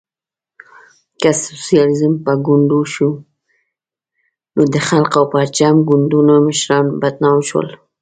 که سوسیالیزم په ګونډو شو، نو د خلق او پرچم ګوندونو مشران بدنام شول.